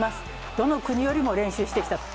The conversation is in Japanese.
どの国よりも練習してきたと。